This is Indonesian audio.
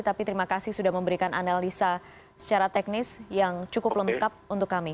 tapi terima kasih sudah memberikan analisa secara teknis yang cukup lengkap untuk kami